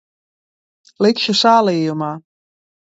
Likšu sālījumā.